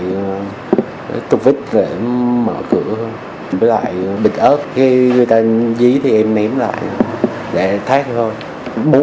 cái túp vít để em mở cửa với lại bịch ớt khi người ta dí thì em ném lại để thác thôi